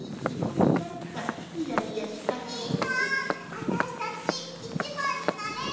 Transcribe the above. あたしたちいちばんになれる？